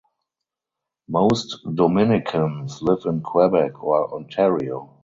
Most Dominicans live in Quebec or Ontario.